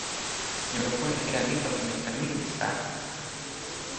Nimekuwa nikiandika kwa miaka mingi sana